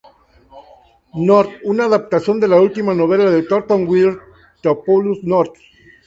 North", una adaptación de la última novela de Thornton Wilder, "Theophilus North".